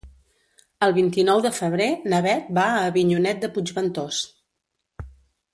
El vint-i-nou de febrer na Beth va a Avinyonet de Puigventós.